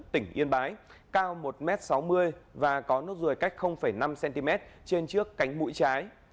tỉnh yên bái cao một m sáu mươi và có nốt ruồi cách năm cm trên trước cánh mũi trái